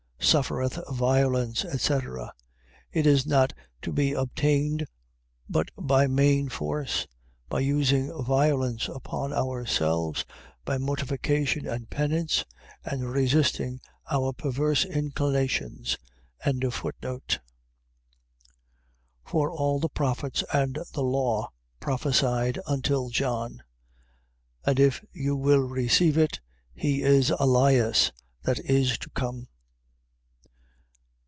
Suffereth violence, etc. . .It is not to be obtained but by main force, by using violence upon ourselves, by mortification and penance, and resisting our perverse inclinations. 11:13. For all the prophets and the law prophesied until John: 11:14. And if you will receive it, he is Elias that is to come.